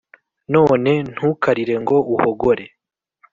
None ntukarire ngo uhogore